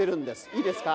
いいですか？